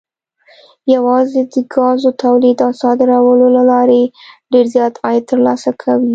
یوازې د ګازو تولید او صادرولو له لارې ډېر زیات عاید ترلاسه کوي.